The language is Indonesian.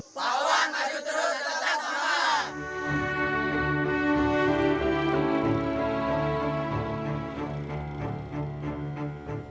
pahlawan maju terus tetap semangat